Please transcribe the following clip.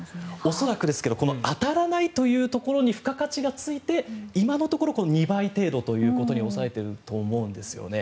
恐らくあたらないというところに付加価値がついて今のところ２倍程度ということに抑えていると思うんですね。